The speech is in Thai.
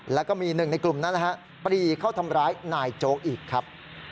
แล้วก็มีหนึ่งในกลุ่มนั้นปรีเข้าทำร้ายนายโจ๊กอีกครับ